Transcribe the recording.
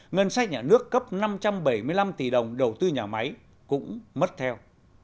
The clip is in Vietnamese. ngân sách nhà nước cấp năm trăm bảy mươi năm tỷ đồng đầu tư nhà máy cũng mất theo